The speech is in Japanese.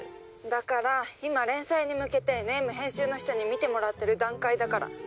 だから今連載に向けてネーム編集の人に見てもらってる段階だから。